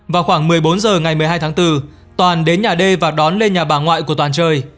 vào khoảng một mươi bốn h ngày một mươi hai tháng bốn toàn đến nhà đê và đón lên nhà bà ngoại của toàn chơi